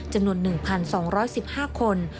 จน๑๒๑๕คน